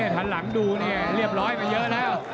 ทันหลังดูเนี่ยเรียบร้อยมาเยอะแล้ว